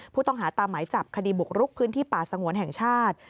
ผู้ต้องหาตามหมายจับคดีบุกรุกพื้นที่ป่าสงวนแห่งชาติ